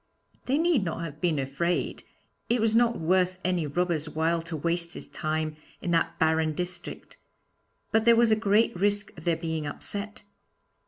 They need not have been afraid; it was not worth any robber's while to waste his time in that barren district; but there was a great risk of their being upset.